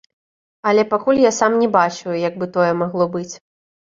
Але пакуль я сам не бачу, як бы тое магло быць.